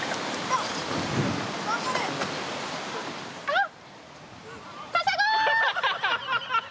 あっ。